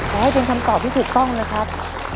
ขอให้เป็นคำตอบที่ถูกต้องนะครับ